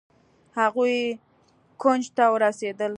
هغوئ کونج ته ورسېدل.